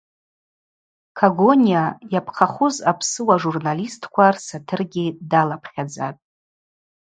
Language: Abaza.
Когониа йапхъахуз апсыуа журналистква рсатыргьи далапхьадзапӏ.